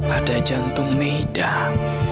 ada jantung medan